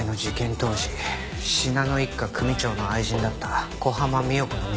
当時信濃一家組長の愛人だった小浜三代子の店です。